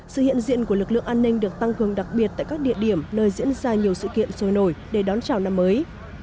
sự hiện diện của lực lượng an ninh được tăng cường đặc biệt tại các địa điểm nơi diễn ra nhiều sự kiện sôi nổi để đón chào năm mới